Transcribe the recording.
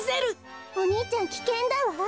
お兄ちゃんきけんだわ！